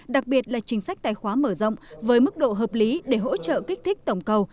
đặc biệt là chính sách tài khoá mở rộng với mức độ hợp lý để hỗ trợ kích thích tổng cầu